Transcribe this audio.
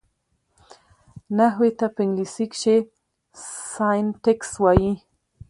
نحوي ته په انګلېسي کښي Syntax وایي.